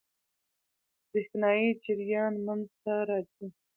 برېښنايي جریان منځ ته راځي.